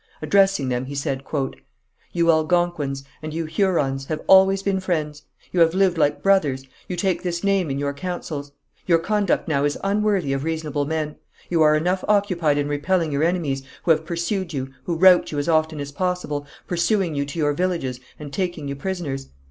Addressing them, he said: "You Algonquins, and you Hurons, have always been friends. You have lived like brothers; you take this name in your councils. Your conduct now is unworthy of reasonable men. You are enough occupied in repelling your enemies, who have pursued you, who rout you as often as possible, pursuing you to your villages and taking you prisoners.